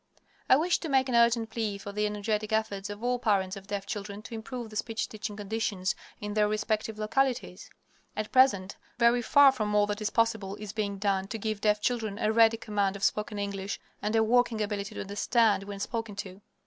I wish to make an urgent plea for the energetic efforts of all parents of deaf children to improve the speech teaching conditions in their respective localities. At present, very far from all that is possible is being done to give deaf children a ready command of spoken English, and a working ability to understand when spoken to.